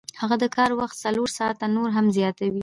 هغه د کار وخت څلور ساعته نور هم زیاتوي